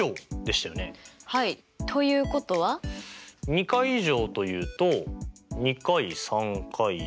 ２回以上というと２回３回４回。